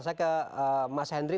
saya ke mas hendri